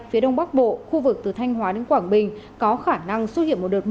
phía đông bắc bộ khu vực từ thanh hóa đến quảng bình